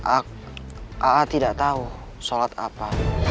aa tidak tahu sholat apa